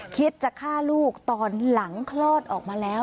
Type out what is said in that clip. คิดจะฆ่าลูกตอนหลังคลอดออกมาแล้ว